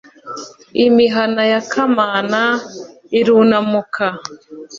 imihana ya kanama irunamuka;